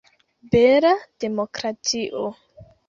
Bela demokratio!